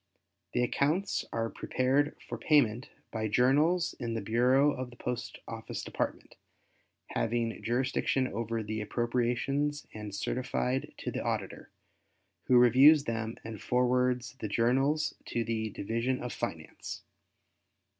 The accounts are prepared for payment by journals in the Bureau of the Post Office Department having jurisdiction over the appropriations and certified to the Auditor, who reviews them and forwards the journals to the Division of Finance.